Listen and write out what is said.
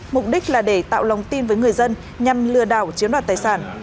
mục đích là để tạo lòng tin với người dân nhằm lừa đảo chiếm đoạt tài sản